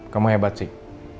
kamu hebat sih